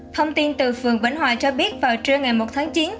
thông tin từ phường vĩnh hòa cho biết vào trưa ngày một tháng chín